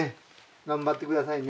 頑張ってくださいね。